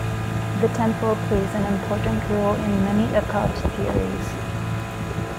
The temple plays an important role in many occult theories.